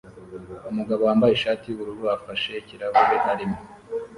Umugabo wambaye ishati yubururu afashe ikirahure arimo